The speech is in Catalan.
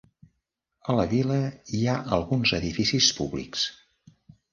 A la vila hi ha alguns edificis públics.